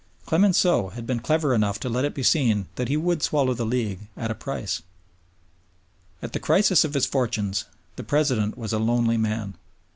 Clemenceau had been clever enough to let it be seen that he would swallow the League at a price. At the crisis of his fortunes the President was a lonely man.